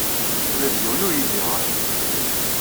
Ula d yiwen ur iyi-d-yeɣri.